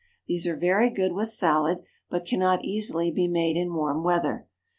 These are very good with salad, but cannot easily be made in warm weather.